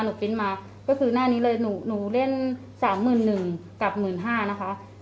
หนูปริ้นต์มาก็คือหน้านี้เลยหนูหนูเล่นสามหมื่นหนึ่งกับหมื่นห้านะคะ